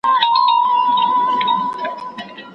په لویه جرګه کي د رسنیو د ازادۍ په اړه څه پرېکړه کېږي؟